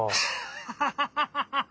ハハハハ！